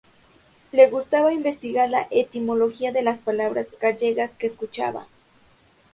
Le gustaba investigar la etimología de las palabras gallegas que escuchaba.